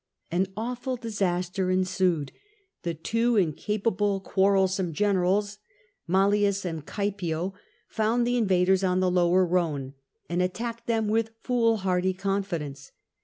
An awful disaster ensued : the two incapable and quarrelsome generals, Mallius and Caepio, found the invaders on the Lower Rhone, and attacked them with foolhardy confidence.